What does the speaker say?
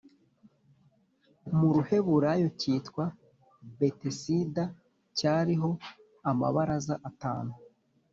mu Ruheburayo cyitwa Betesida, cyariho amabaraza atanu